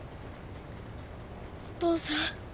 お父さん。